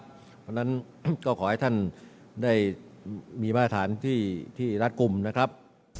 เพราะฉะนั้นก็ขอให้ท่านได้มีมาตรฐานที่รัดกลุ่มนะครับ